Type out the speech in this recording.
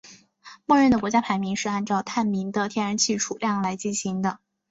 默认的国家排名是按照探明的天然气储量来进行的。